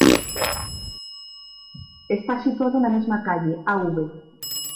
Está situado en la misma calle, Av.